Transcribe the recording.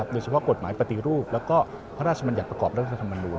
โดยเฉพาะกฎหมายปฏิรูปแล้วก็พระราชมัญญัติประกอบรัฐธรรมนูล